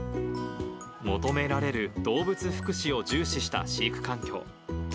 求められる動物福祉を重視した飼育環境。